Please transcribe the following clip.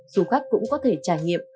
du khách cũng có thể trải nghiệm